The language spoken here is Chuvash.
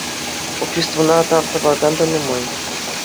Обществӑна тав тӑвакан та нумай.